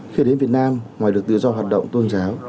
khi đến việt nam ngoài được tự do hoạt động tôn giáo